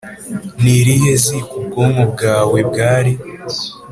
ni irihe ziko ubwonko bwawe bwari?